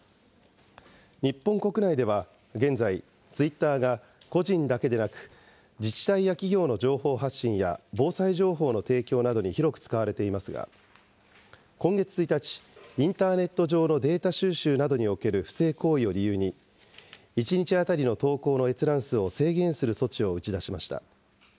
日本国内では現在、ツイッターが個人だけでなく、自治体や企業の情報発信や防災情報の提供などに広く使われていますが、今月１日、インターネット上のデータ収集などにおける不正行為を理由に、１日当たりの投稿の閲覧数を制限する措置を打ち出しました。